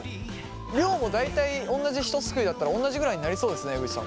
量も大体同じ一すくいだったら同じぐらいになりそうですね江口さん